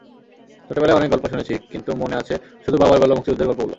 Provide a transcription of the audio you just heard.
ছোটবেলায় অনেক গল্প শুনেছি, কিন্তু মনে আছে শুধু বাবার বলা মুক্তিযুদ্ধের গল্পগুলো।